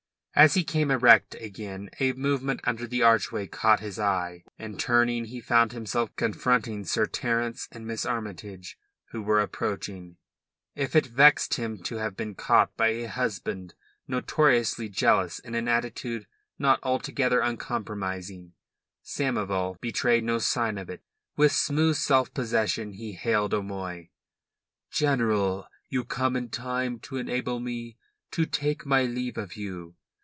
As he came erect again a movement under the archway caught his eye, and turning he found himself confronting Sir Terence and Miss Armytage, who were approaching. If it vexed him to have been caught by a husband notoriously jealous in an attitude not altogether uncompromising, Samoval betrayed no sign of it. With smooth self possession he hailed O'Moy: "General, you come in time to enable me to take my leave of you.